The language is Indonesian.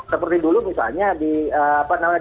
seperti dulu misalnya di apa namanya